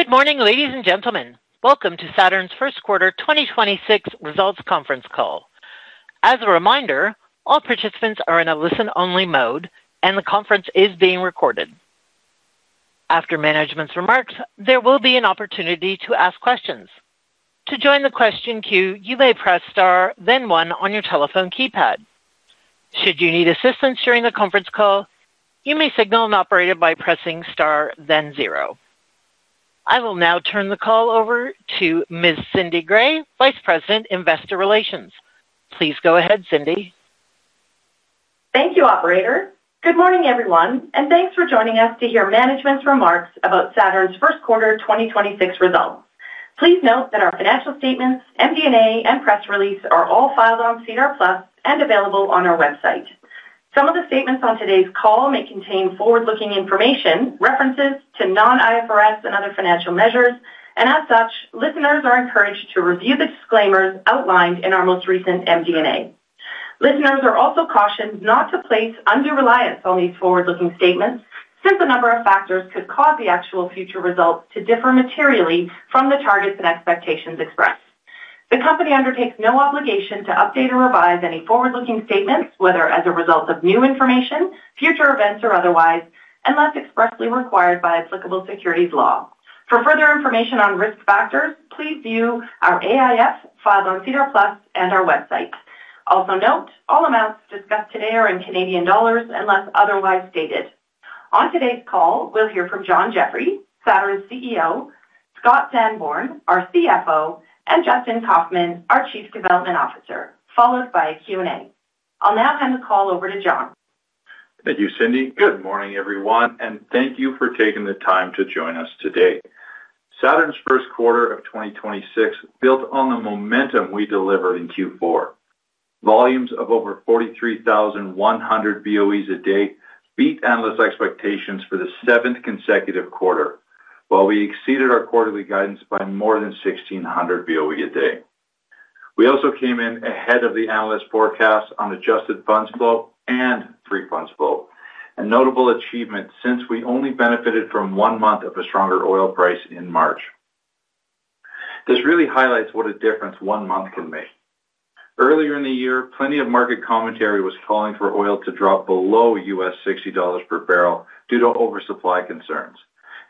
Good morning, ladies and gentlemen. Welcome to Saturn's Q1 2026 results conference call. As a reminder, all participants are in a listen-only mode, and the conference is being recorded. After management's remarks, there will be an opportunity to ask questions. To join the question queue, you may press star then one on your telephone keypad. Should you need assistance during the conference call, you may signal an operator by pressing star then zero. I will now turn the call over to Ms. Cindy Gray, Vice President, Investor Relations. Please go ahead, Cindy. Thank you, operator. Good morning, everyone, and thanks for joining us to hear management's remarks about Saturn's Q1 2026 results. Please note that our financial statements, MD&A, and press release are all filed on SEDAR+ and available on our website. Some of the statements on today's call may contain forward-looking information, references to non-IFRS, and other financial measures. As such, listeners are encouraged to review the disclaimers outlined in our most recent MD&A. Listeners are also cautioned not to place undue reliance on these forward-looking statements since a number of factors could cause the actual future results to differ materially from the targets and expectations expressed. The company undertakes no obligation to update or revise any forward-looking statements, whether as a result of new information, future events, or otherwise, unless expressly required by applicable securities law. For further information on risk factors, please view our AIF filed on SEDAR+ and our website. Also note all amounts discussed today are in Canadian dollars unless otherwise stated. On today's call, we'll hear from John Jeffrey, Saturn's CEO, Scott Sanborn, our CFO, and Justin Kaufmann, our Chief Development Officer, followed by a Q&A. I'll now hand the call over to John. Thank you, Cindy. Good morning, everyone, and thank you for taking the time to join us today. Saturn's first quarter of 2026 built on the momentum we delivered in Q4. Volumes of over 43,100 BOEs a day beat analyst expectations for the seventh consecutive quarter, while we exceeded our quarterly guidance by more than 1,600 BOE a day. We also came in ahead of the analyst forecast on adjusted funds flow and free funds flow, a notable achievement since we only benefited from one month of a stronger oil price in March. This really highlights what a difference one month can make. Earlier in the year, plenty of market commentary was calling for oil to drop below U.S. $60 per barrel due to oversupply concerns,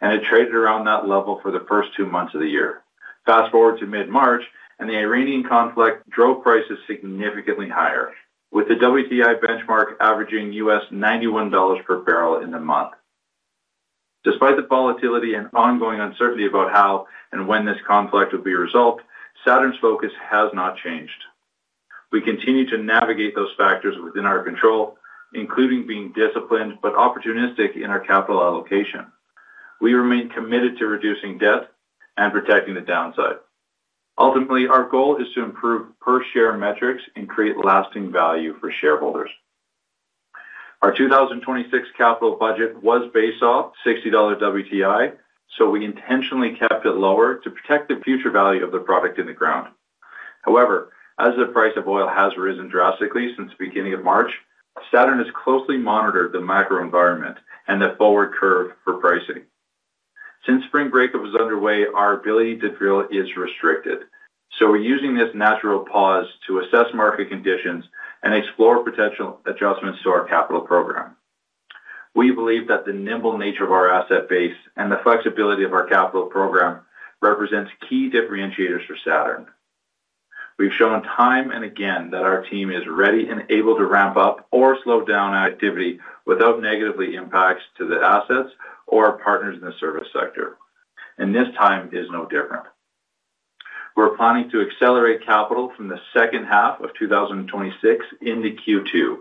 and it traded around that level for the first two months of the year. Fast-forward to mid-March, the Iranian conflict drove prices significantly higher, with the WTI benchmark averaging $91 per barrel in the month. Despite the volatility and ongoing uncertainty about how and when this conflict will be resolved, Saturn's focus has not changed. We continue to navigate those factors within our control, including being disciplined but opportunistic in our capital allocation. We remain committed to reducing debt and protecting the downside. Ultimately, our goal is to improve per-share metrics and create lasting value for shareholders. Our 2026 capital budget was based off 60 dollar WTI, we intentionally kept it lower to protect the future value of the product in the ground. As the price of oil has risen drastically since the beginning of March, Saturn has closely monitored the macro environment and the forward curve for pricing. Since spring breakup is underway, our ability to drill is restricted, so we're using this natural pause to assess market conditions and explore potential adjustments to our capital program. We believe that the nimble nature of our asset base and the flexibility of our capital program represents key differentiators for Saturn. We've shown time and again that our team is ready and able to ramp up or slow down activity without negative impacts to the assets or partners in the service sector, and this time is no different. We're planning to accelerate capital from the second half of 2026 into Q2,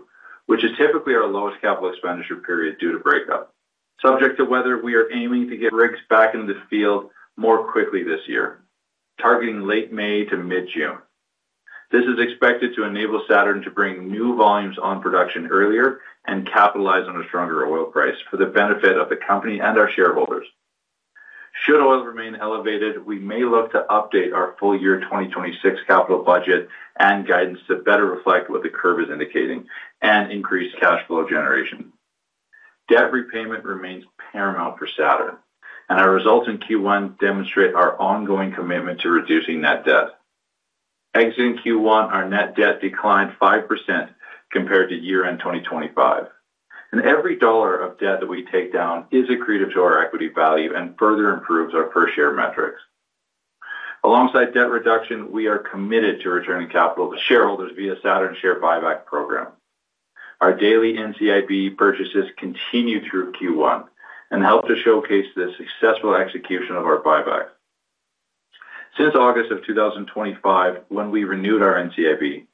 which is typically our lowest capital expenditure period due to breakup. Subject to whether we are aiming to get rigs back into the field more quickly this year, targeting late May to mid-June. This is expected to enable Saturn to bring new volumes on production earlier and capitalize on a stronger oil price for the benefit of the company and our shareholders. Should oil remain elevated, we may look to update our full year 2026 capital budget and guidance to better reflect what the curve is indicating and increase cash flow generation. Debt repayment remains paramount for Saturn. Our results in Q1 demonstrate our ongoing commitment to reducing net debt. Exiting Q1, our net debt declined 5% compared to year-end 2025. Every dollar of debt that we take down is accretive to our equity value and further improves our per-share metrics. Alongside debt reduction, we are committed to returning capital to shareholders via Saturn share buyback program. Our daily NCIB purchases continued through Q1 and helped to showcase the successful execution of our buyback. Since August of 2025, when we renewed our NCIB,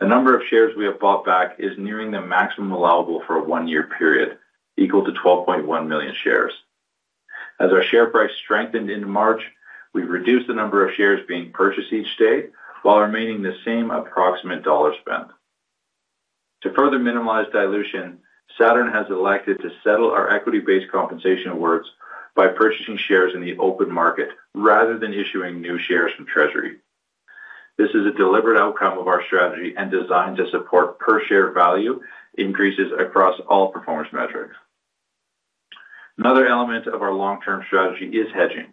the number of shares we have bought back is nearing the maximum allowable for a one-year period, equal to 12.1 million shares. As our share price strengthened into March, we've reduced the number of shares being purchased each day while remaining the same approximate dollar spend. To further minimize dilution, Saturn has elected to settle our equity-based compensation awards by purchasing shares in the open market rather than issuing new shares from Treasury. This is a deliberate outcome of our strategy and designed to support per share value increases across all performance metrics. Another element of our long-term strategy is hedging,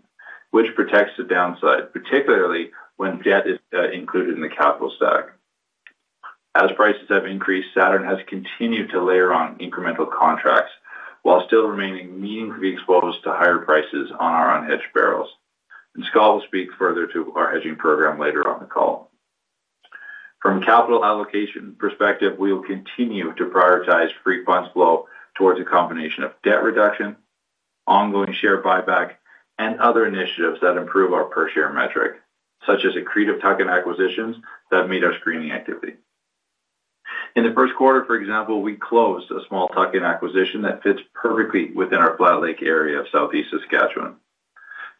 which protects the downside, particularly when debt is included in the capital stack. As prices have increased, Saturn has continued to layer on incremental contracts while still remaining meaningfully exposed to higher prices on our unhedged barrels. Scott will speak further to our hedging program later on the call. From a capital allocation perspective, we will continue to prioritize free funds flow towards a combination of debt reduction, ongoing share buyback, and other initiatives that improve our per share metric, such as accretive tuck-in acquisitions that meet our screening activity. In the first quarter, for example, we closed a small tuck-in acquisition that fits perfectly within our Flat Lake area of southeast Saskatchewan.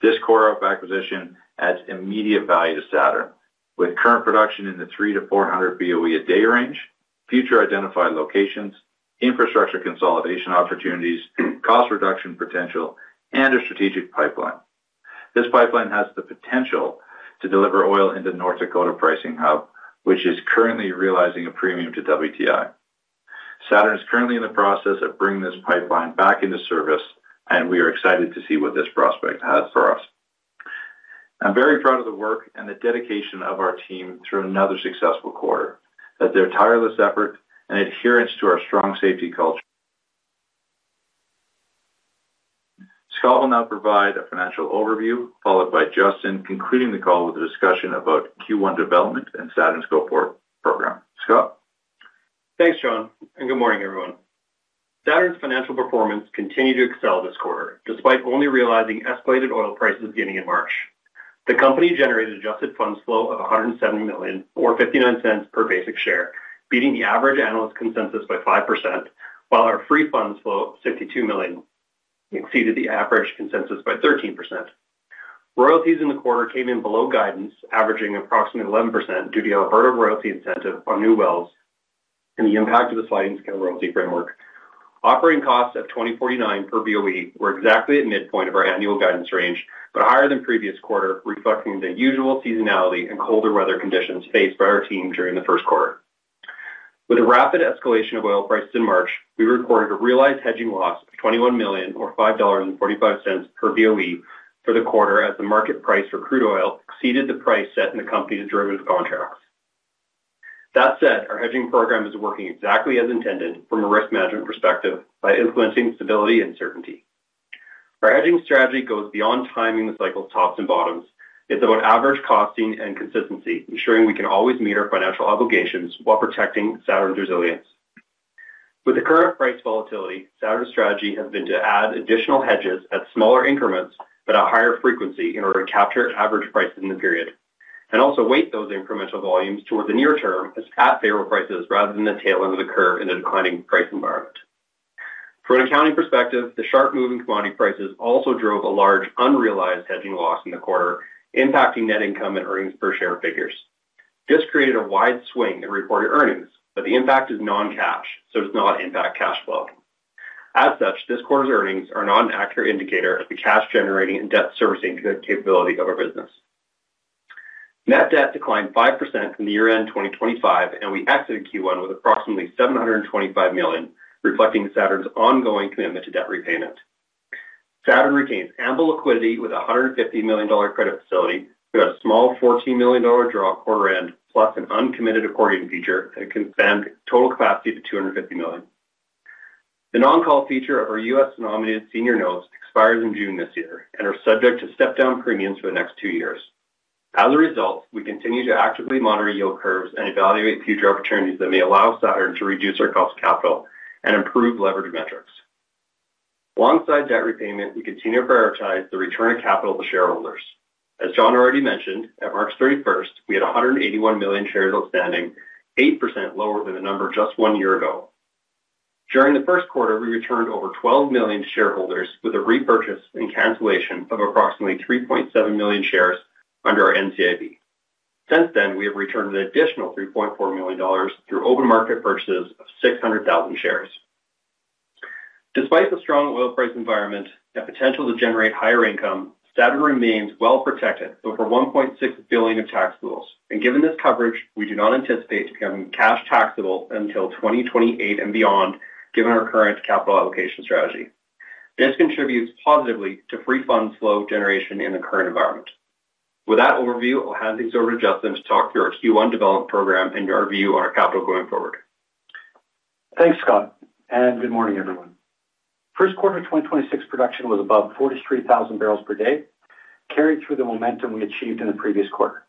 This core-up acquisition adds immediate value to Saturn with current production in the 300-400 BOE a day range, future identified locations, infrastructure consolidation opportunities, cost reduction potential, and a strategic pipeline. This pipeline has the potential to deliver oil into North Dakota pricing hub, which is currently realizing a premium to WTI. Saturn is currently in the process of bringing this pipeline back into service, and we are excited to see what this prospect has for us. I'm very proud of the work and the dedication of our team through another successful quarter, that their tireless effort and adherence to our strong safety culture. Scott will now provide a financial overview, followed by Justin concluding the call with a discussion about Q1 development and Saturn's go-forward program. Scott? Thanks, John. Good morning, everyone. Saturn's financial performance continued to excel this quarter, despite only realizing escalated oil prices beginning in March. The company generated adjusted funds flow of 107 million or 0.59 per basic share, beating the average analyst consensus by 5%, while our free funds flow of 52 million exceeded the average consensus by 13%. Royalties in the quarter came in below guidance, averaging approximately 11% due to Alberta royalty incentive on new wells and the impact of the sliding scale royalty framework. Operating costs at 24.9 per BOE were exactly at midpoint of our annual guidance range, but higher than previous quarter, reflecting the usual seasonality and colder weather conditions faced by our team during the first quarter. With a rapid escalation of oil prices in March, we recorded a realized hedging loss of 21 million or 5.45 dollars per BOE for the quarter as the market price for crude oil exceeded the price set in the company's derivative contracts. That said, our hedging program is working exactly as intended from a risk management perspective by influencing stability and certainty. Our hedging strategy goes beyond timing the cycle's tops and bottoms. It's about average costing and consistency, ensuring we can always meet our financial obligations while protecting Saturn's resilience. With the current price volatility, Saturn's strategy has been to add additional hedges at smaller increments but at higher frequency in order to capture average prices in the period and also weight those incremental volumes toward the near term as at favorable prices rather than the tail end of the curve in a declining price environment. From an accounting perspective, the sharp move in commodity prices also drove a large unrealized hedging loss in the quarter, impacting net income and earnings per share figures. This created a wide swing in reported earnings, but the impact is non-cash, so it does not impact cash flow. As such, this quarter's earnings are not an accurate indicator of the cash-generating and debt-servicing capability of our business. Net debt declined 5% from the year-end 2025, and we exited Q1 with approximately 725 million, reflecting Saturn's ongoing commitment to debt repayment. Saturn retains ample liquidity with a 150 million dollar credit facility. We had a small 14 million dollar draw at quarter end, plus an uncommitted accordion feature that can expand total capacity to 250 million. The no-call feature of our U.S-denominated senior notes expires in June this year and are subject to step-down premiums for the next two years. As a result, we continue to actively monitor yield curves and evaluate future opportunities that may allow Saturn to reduce our cost of capital and improve leverage metrics. Alongside debt repayment, we continue to prioritize the return of capital to shareholders. As John already mentioned, at March 31st, we had 181 million shares outstanding, 8% lower than the number just one year ago. During the first quarter, we returned over 12 million to shareholders with a repurchase and cancellation of approximately 3.7 million shares under our NCIB. Since then, we have returned an additional 3.4 million dollars through open market purchases of 600,000 shares. Despite the strong oil price environment and potential to generate higher income, Saturn remains well protected with over 1.6 billion of tax pools. Given this coverage, we do not anticipate becoming cash taxable until 2028 and beyond, given our current capital allocation strategy. This contributes positively to free funds flow generation in the current environment. With that overview, I'll hand things over to Justin to talk through our Q1 development program and to review our capital going forward. Thanks, Scott, and good morning, everyone. Q1 2026 production was above 43,000 barrels per day, carried through the momentum we achieved in the previous quarter.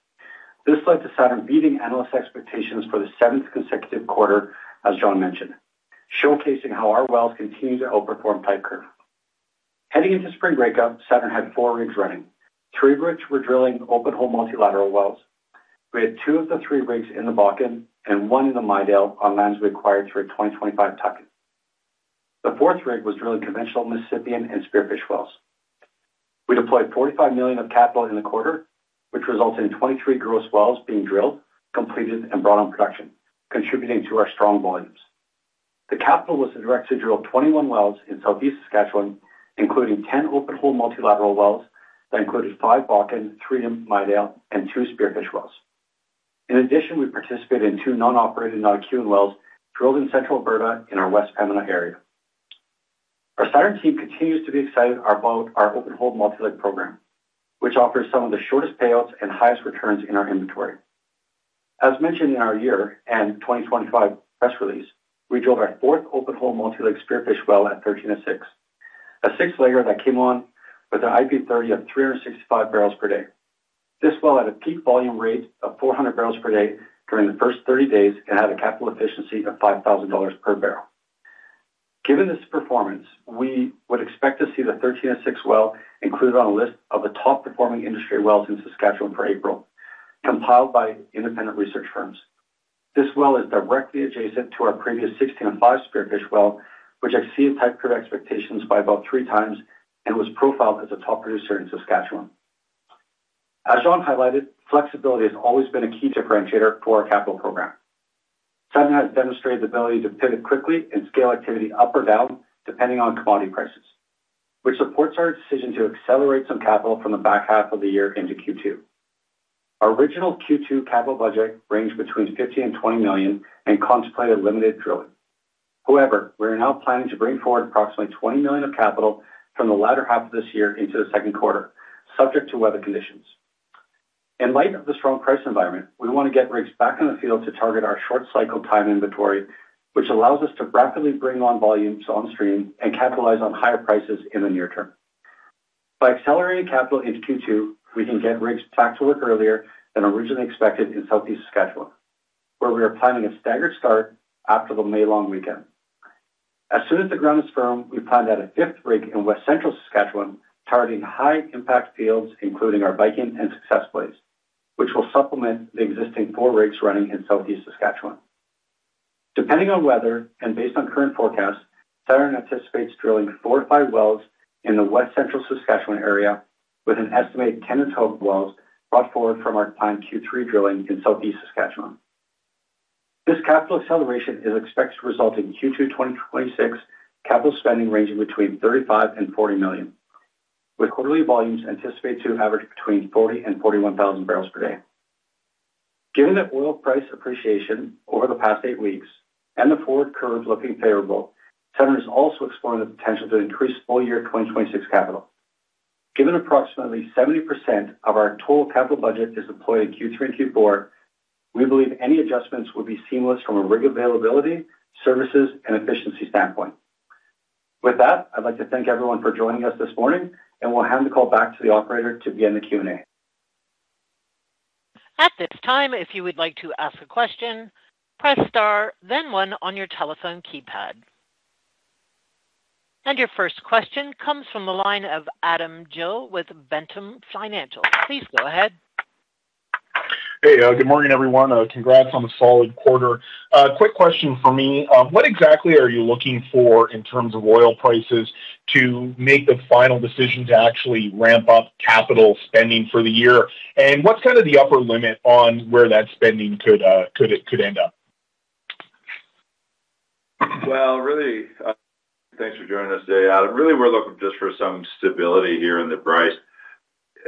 This led to Saturn beating analyst expectations for the 7th consecutive quarter, as John mentioned, showcasing how our wells continue to outperform type curve. Heading into spring breakup, Saturn had 4 rigs running. 3 rigs were drilling open-hole multilateral wells. We had 2 of the 3 rigs in the Bakken and 1 in the Midale on lands we acquired through our 2025 tuck-in. The 4th rig was drilling conventional Mississippian and Spearfish wells. We deployed 45 million of capital in the quarter, which resulted in 23 gross wells being drilled, completed, and brought on production, contributing to our strong volumes. The capital was directed to drill 21 wells in Southeast Saskatchewan, including 10 open-hole multilateral wells that included 5 Bakken, 3 Midale, and 2 Spearfish wells. In addition, we participated in 2 non-operating, non-accreting wells drilled in Central Alberta in our West Pembina area. Our Saturn team continues to be excited about our open-hole multi-well program, which offers some of the shortest payouts and highest returns in our inventory. As mentioned in our year-end 2025 press release, we drilled our fourth open-hole multi-well Spearfish well at 13-06, a 6-layer that came on with an IP30 of 365 barrels per day. This well had a peak volume rate of 400 barrels per day during the first 30 days and had a capital efficiency of 5,000 dollars per barrel. Given this performance, we would expect to see the 13-06 well included on a list of the top-performing industry wells in Saskatchewan for April, compiled by independent research firms. This well is directly adjacent to our previous 16-05 Spearfish well, which exceeded type curve expectations by about 3 times and was profiled as a top producer in Saskatchewan. As John Jeffrey highlighted, flexibility has always been a key differentiator for our capital program. Saturn has demonstrated the ability to pivot quickly and scale activity up or down depending on commodity prices, which supports our decision to accelerate some capital from the back half of the year into Q2. Our original Q2 capital budget ranged between 15 million and 20 million and contemplated limited drilling. However, we are now planning to bring forward approximately 20 million of capital from the latter half of this year into Q2, subject to weather conditions. In light of the strong price environment, we want to get rigs back in the field to target our short cycle time inventory, which allows us to rapidly bring on volumes on stream and capitalize on higher prices in the near term. By accelerating capital into Q2, we can get rigs back to work earlier than originally expected in Southeast Saskatchewan, where we are planning a staggered start after the May long weekend. As soon as the ground is firm, we plan to add a fifth rig in West Central Saskatchewan, targeting high impact fields, including our Viking and Success plays, which will supplement the existing four rigs running in Southeast Saskatchewan. Depending on weather and based on current forecasts, Saturn anticipates drilling four to five wells in the West Central Saskatchewan area with an estimated 10 in total wells brought forward from our planned Q3 drilling in Southeast Saskatchewan. This capital acceleration is expected to result in Q2 2026 capital spending ranging between 35 million and 40 million, with quarterly volumes anticipated to average between 40 and 41 thousand barrels per day. Given that oil price appreciation over the past eight weeks and the forward curves looking favorable, Saturn is also exploring the potential to increase full year 2026 capital. Given approximately 70% of our total capital budget is deployed in Q3 and Q4, we believe any adjustments will be seamless from a rig availability, services, and efficiency standpoint. With that, I'd like to thank everyone for joining us this morning, and we'll hand the call back to the operator to begin the Q&A. At this time if you would like to ask a question, press star then one in your telephone keypad. Your first question comes from the line of Adam Gill with Ventum Financial. Please go ahead. Good morning, everyone. Congrats on the solid quarter. Quick question from me. What exactly are you looking for in terms of oil prices to make the final decision to actually ramp up capital spending for the year? What's kind of the upper limit on where that spending could end up? Well, really, thanks for joining us today, Adam. We're looking just for some stability here in the price.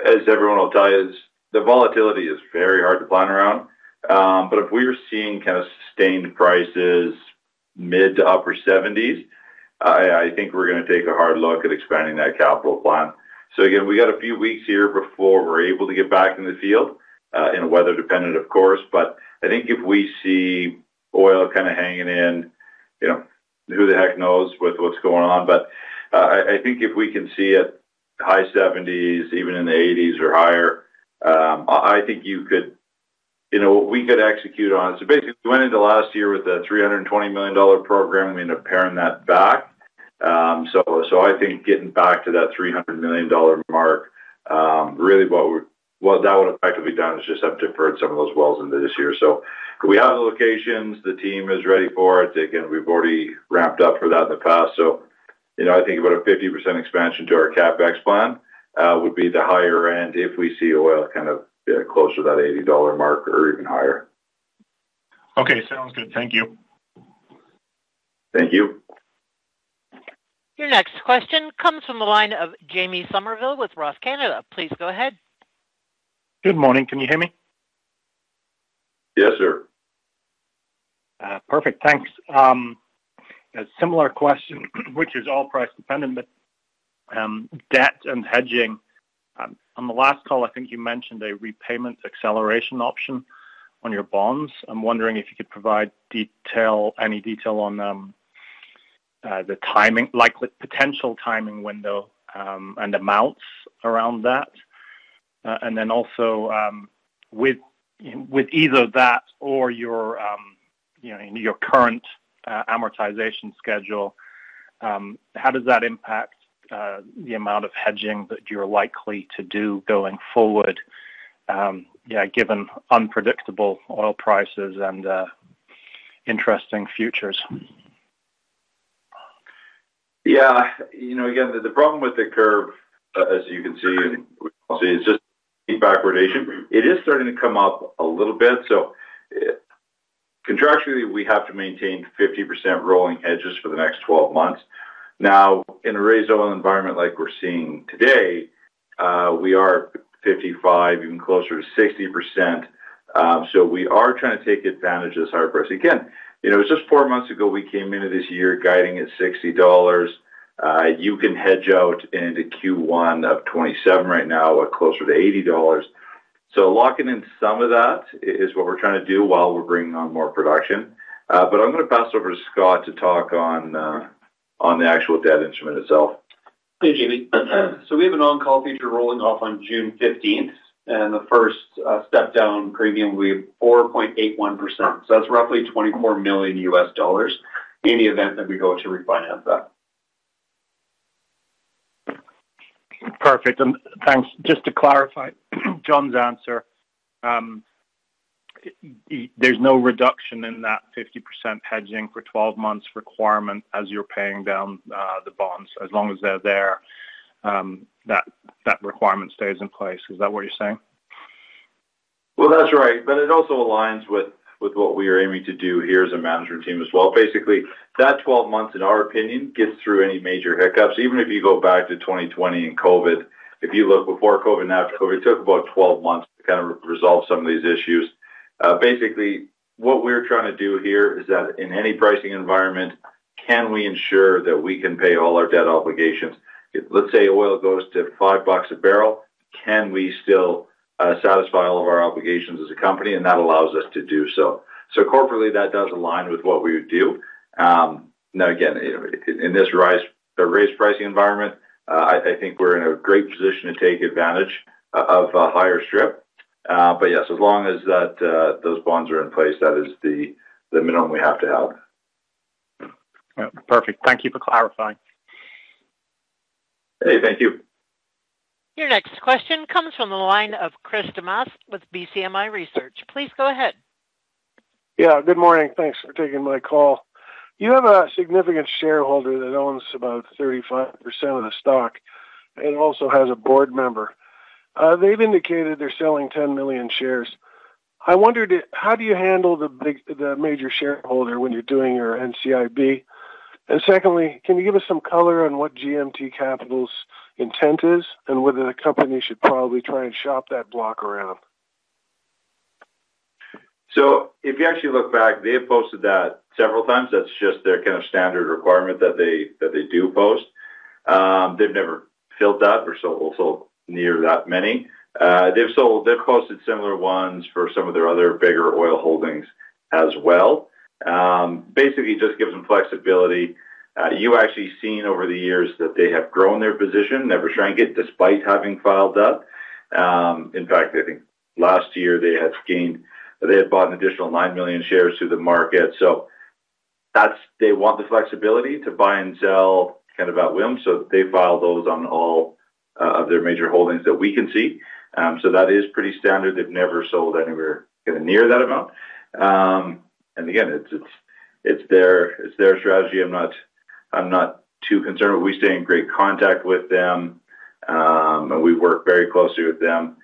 As everyone will tell you, the volatility is very hard to plan around. If we're seeing kind of sustained prices, mid to upper 70s, I think we're gonna take a hard look at expanding that capital plan. Again, we got a few weeks here before we're able to get back in the field, and weather dependent, of course. I think if we see oil kind of hanging in, you know, who the heck knows with what's going on. I think if we can see it high 70s, even in the 80s or higher, I think you could, you know, we could execute on. Basically, we went into last year with a 320 million dollar program. We end up paring that back. I think getting back to that 300 million dollar mark, really what that would effectively done is just have deferred some of those wells into this year. We have the locations, the team is ready for it. We've already ramped up for that in the past. You know, I think about a 50% expansion to our CapEx plan would be the higher end if we see oil kind of close to that 80 dollar mark or even higher. Okay. Sounds good. Thank you. Thank you. Your next question comes from the line of Jamie Somerville with ROTH Canada. Please go ahead. Good morning. Can you hear me? Yes, sir. Perfect. Thanks. A similar question, which is all price dependent, but debt and hedging. On the last call, I think you mentioned a repayment acceleration option on your bonds. I'm wondering if you could provide detail, any detail on the timing, like with potential timing window, and amounts around that. Then also, with either that or your, you know, your current amortization schedule, how does that impact the amount of hedging that you're likely to do going forward, yeah, given unpredictable oil prices and interesting futures? Yeah. You know, again, the problem with the curve, as you can see, is just backwardation. It is starting to come up a little bit. Contractually, we have to maintain 50% rolling hedges for the next 12 months. Now, in a raised oil environment like we're seeing today, we are 55%, even closer to 60%. We are trying to take advantage of this high price. Again, you know, it was just four months ago, we came into this year guiding at $60. You can hedge out into Q1 of 2027 right now or closer to $80. Locking in some of that is what we're trying to do while we're bringing on more production. I'm gonna pass over to Scott to talk on the actual debt instrument itself. Hey, Jamie. We have an no-call feature rolling off on June 15th, and the first step-down premium will be 4.81%. That's roughly $24 million in the event that we go to refinance that. Perfect. Thanks. Just to clarify John's answer, there's no reduction in that 50% hedging for 12 months requirement as you're paying down the bonds. As long as they're there, that requirement stays in place. Is that what you're saying? Well, that's right. It also aligns with what we are aiming to do here as a management team as well. Basically, that 12 months, in our opinion, gets through any major hiccups. Even if you go back to 2020 and COVID, if you look before COVID and after COVID, it took about 12 months to kind of resolve some of these issues. Basically, what we're trying to do here is that in any pricing environment, can we ensure that we can pay all our debt obligations? If, let's say, oil goes to five bucks a barrel, can we still satisfy all of our obligations as a company? That allows us to do so. Corporately, that does align with what we would do. Now again, in this raised pricing environment, I think we're in a great position to take advantage of higher strip. Yes, as long as that those bonds are in place, that is the minimum we have to have. Yeah. Perfect. Thank you for clarifying. Hey, thank you. Your next question comes from the line of Chris Damas with BCMI Research. Please go ahead. Yeah, good morning. Thanks for taking my call. You have a significant shareholder that owns about 35% of the stock and also has a board member. They've indicated they're selling 10 million shares. I wondered, how do you handle the major shareholder when you're doing your NCIB? Secondly, can you give us some color on what GMT Capital's intent is and whether the company should probably try and shop that block around? If you actually look back, they have posted that several times. That's just their kind of standard requirement that they, that they do post. They've never filled that or near that many. They've posted similar ones for some of their other bigger oil holdings as well. Basically, it just gives them flexibility. You actually seen over the years that they have grown their position, never shrank it despite having filed that. In fact, I think last year they had bought an additional 9 million shares through the market. That's they want the flexibility to buy and sell kind of at whim, so they file those on all of their major holdings that we can see. That is pretty standard. They've never sold anywhere kind of near that amount. Again, it's, it's their, it's their strategy. I'm not too concerned. We stay in great contact with them, and we work very closely with them.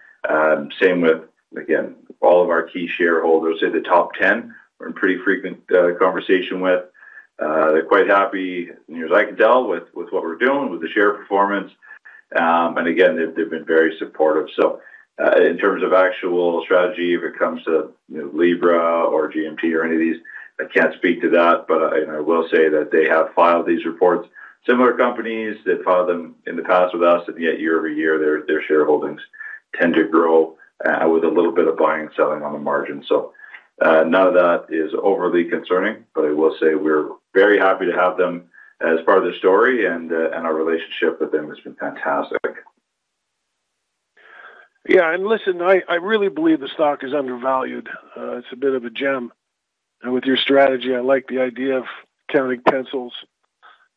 Same with, again, all of our key shareholders. They're the top ten we're in pretty frequent conversation with. They're quite happy, as near as I can tell, with what we're doing, with the share performance. Again, they've been very supportive. In terms of actual strategy, if it comes to, you know, Libra or GMT or any of these, I can't speak to that, but I, you know, will say that they have filed these reports. Similar companies that filed them in the past with us, year over year, their shareholdings tend to grow with a little bit of buying and selling on the margin. None of that is overly concerning, but I will say we're very happy to have them as part of the story and our relationship with them has been fantastic. Yeah. Listen, I really believe the stock is undervalued. It's a bit of a gem. With your strategy, I like the idea of counting pencils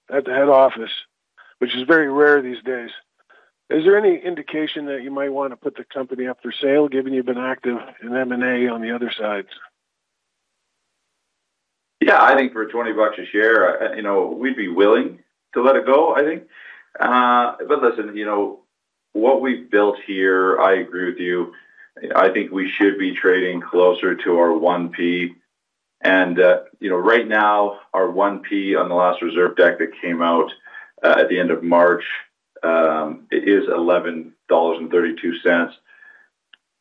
at the head office, which is very rare these days. Is there any indication that you might wanna put the company up for sale, given you've been active in M&A on the other sides? Yeah. I think for 20 bucks a share, you know, we'd be willing to let it go, I think. Listen, you know, what we've built here, I agree with you. I think we should be trading closer to our 1P. You know, right now, our 1P on the last reserve deck that came out, at the end of March, it is 11.32 dollars.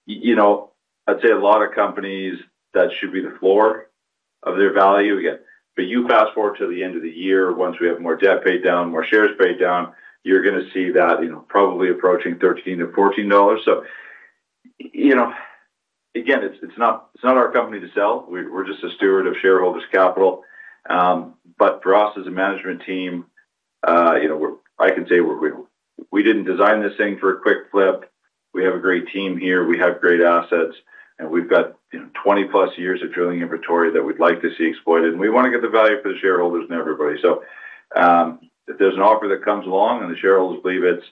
You know, I'd say a lot of companies, that should be the floor of their value. Again, you fast-forward to the end of the year, once we have more debt paid down, more shares paid down, you're gonna see that, you know, probably approaching 13-14 dollars. You know, again, it's not our company to sell. We're just a steward of shareholders' capital. For us as a management team, you know, I can say we didn't design this thing for a quick flip. We have a great team here, we have great assets, and we've got, you know, 20-plus years of drilling inventory that we'd like to see exploited, and we wanna get the value for the shareholders and everybody. If there's an offer that comes along and the shareholders believe it's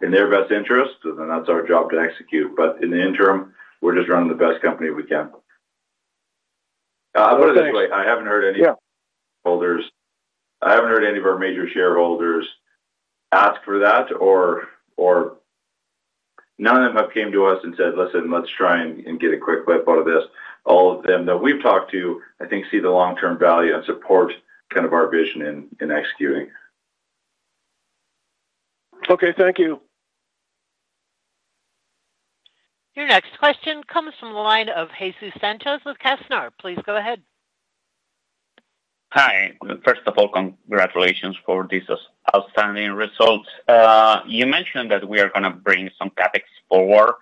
in their best interest, then that's our job to execute. In the interim, we're just running the best company we can. Put it this way, Yeah I haven't heard any of our major shareholders ask for that or none of them have came to us and said, Listen, let's try and get a quick flip out of this. All of them that we've talked to, I think see the long-term value and support kind of our vision in executing. Okay, thank you. Your next question comes from the line of Joshua Santos with BNN Bloomberg. Please go ahead. Hi. First of all, congratulations for this outstanding results. You mentioned that we are gonna bring some CapEx forward.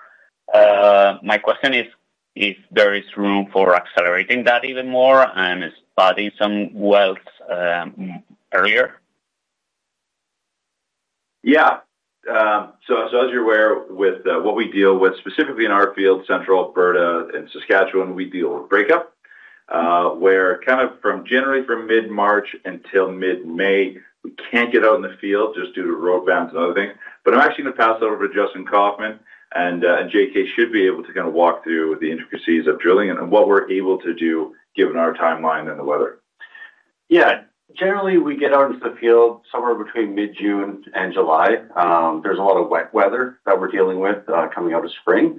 My question is if there is room for accelerating that even more and starting some wells earlier. Yeah. So as you're aware with what we deal with specifically in our field, Central Alberta and Saskatchewan, we deal with breakup, where kind of from generally from mid-March until mid-May, we can't get out in the field just due to road bans and other things. I'm actually gonna pass over to Justin Kaufmann, and JK should be able to kind of walk through the intricacies of drilling and what we're able to do given our timeline and the weather. Yeah. Generally, we get out into the field somewhere between mid-June and July. There's a lot of wet weather that we're dealing with coming out of spring.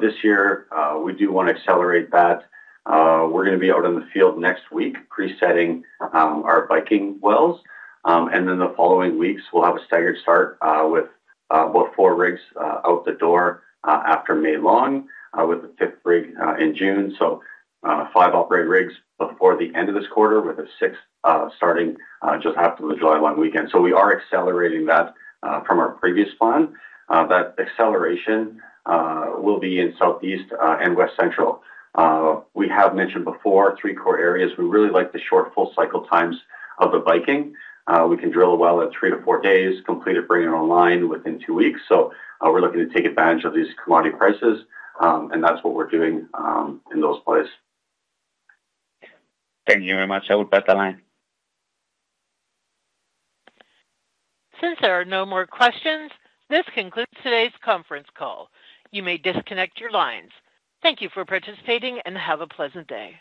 This year, we do wanna accelerate that. We're gonna be out in the field next week presetting our Viking wells. The following weeks we'll have a staggered start with about 4 rigs out the door after May long with the 5th rig in June. 5 operated rigs before the end of this quarter with a 6th starting just after the July 1 weekend. We are accelerating that from our previous plan. That acceleration will be in Southeast and West Central. We have mentioned before 3 core areas. We really like the short full cycle times of the Viking. We can drill a well in three to four days, complete it, bring it online within two weeks. We're looking to take advantage of these commodity prices, and that's what we're doing in those plays. Thank you very much. I will pass the line. Since there are no more questions, this concludes today's conference call. You may disconnect your lines. Thank you for participating and have a pleasant day.